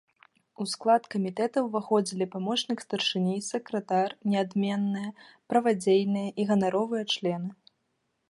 У склад камітэта ўваходзілі памочнік старшыні, сакратар, неадменныя, правадзейныя і ганаровыя члены.